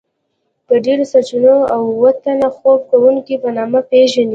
په ډیرو سرچینو کې اوه تنه خوب کوونکيو په نامه پیژني.